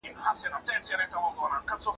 د سیند په غاړه غاړه له شنیلي سره به راشې